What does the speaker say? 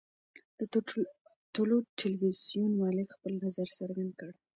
د طلوع ټلویزیون مالک خپل نظر څرګند کړ.